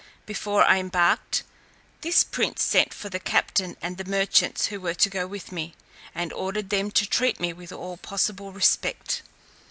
Before I embarked, this prince sent for the captain and the merchants who were to go with me, and ordered them to treat me with all possible respect.